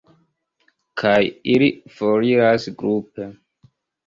Kaj ili foriras grupe.